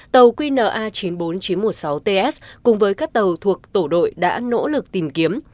tàu qna chín mươi bốn nghìn chín trăm một mươi sáu ts cùng với các tàu thuộc tổ đội đã nỗ lực tìm kiếm